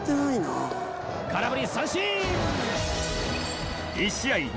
空振り三振！